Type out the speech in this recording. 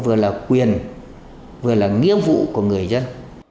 vừa là quyền vừa là nghĩa vụ của người dân